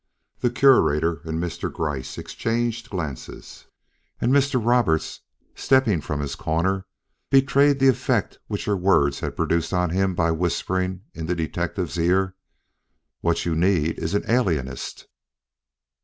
The Curator and Mr. Gryce exchanged glances, and Mr. Roberts, stepping from his corner, betrayed the effect which her words had produced on him, by whispering in the detective's ear: "What you need is an alienist."